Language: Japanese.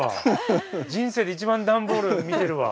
人生で一番段ボール見てるわ。